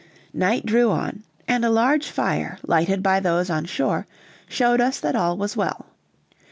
Night drew on, and a large fire, lighted by those on shore, showed us that all was well.